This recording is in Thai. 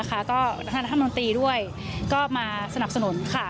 ก็ละซะท่านนโมนตี้ด้วยก็มาสนับสนุนค่ะ